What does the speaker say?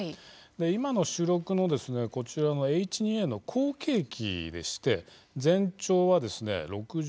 今の主力のこちらのＨ２Ａの後継機でして全長は６３ｍ